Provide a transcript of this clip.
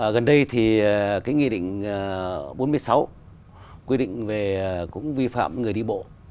gần đây thì cái nghị định bốn mươi sáu quy định về cũng vi phạm người đi bộ